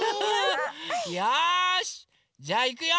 よしじゃあいくよ！